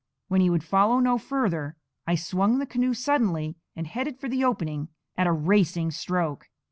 When he would follow no further, I swung the canoe suddenly, and headed for the opening at a racing stroke.